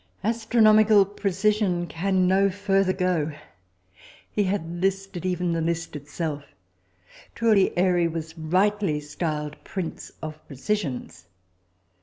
Astronomical precision can no further go: he had listed even the list itself. Truly, Airy was rightly styled "prince of precisians."